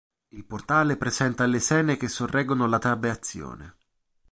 Il portale presenta lesene che sorreggono la trabeazione.